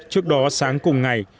trước đó sáng cùng ngày